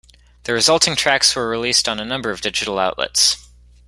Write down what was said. The resulting tracks were released on a number of digital outlets.